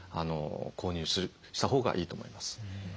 購入したほうがいいと思います。